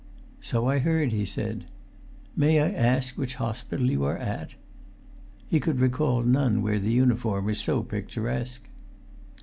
"So I heard," he said. "May I ask which hospital you are at?" He could recall none where the uniform was so picturesque.